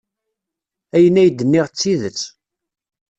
Ayen ay d-nniɣ d tidet.